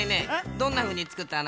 どんなふうにつくったの？